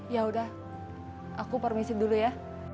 yaudah aku permisi dulu ya